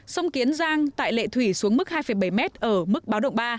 sông kiến giang tại lệ thủy xuống mức hai bảy m ở mức báo động ba